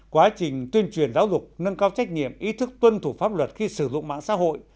quá trình tuyên truyền giáo dục nâng cao trách nhiệm ý thức tuân thủ pháp luật khi sử dụng mạng xã hội